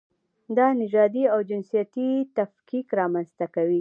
دا نژادي او جنسیتي تفکیک رامنځته کوي.